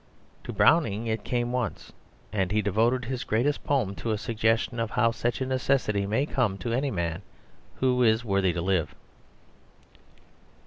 To Browning it came once, and he devoted his greatest poem to a suggestion of how such a necessity may come to any man who is worthy to live.